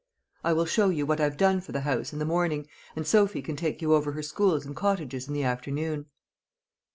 I will show you what I've done for the house in the morning, and Sophy can take you over her schools and cottages in the afternoon."